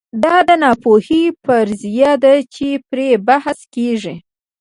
دا د ناپوهۍ فرضیه ده چې پرې بحث کېږي.